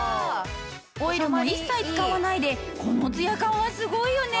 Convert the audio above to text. オイルも一切使わないでこのツヤ感はすごいよね。